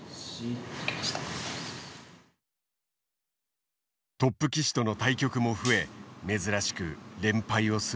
トップ棋士との対局も増え珍しく連敗をすることもあった。